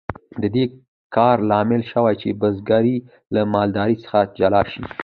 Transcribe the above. د دې کار لامل شو چې بزګري له مالدارۍ څخه جلا شي.